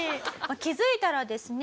気づいたらですね